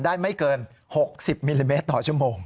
ไม่เกิน๖๐มิลลิเมตรต่อชั่วโมง